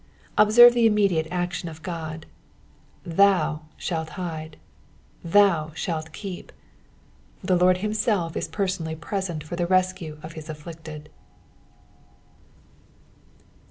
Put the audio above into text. Observe the immediate action of God, " Thau shall hide," " Thau shalt keep," the Lord himself is personally present for the rescue of bis afflicted.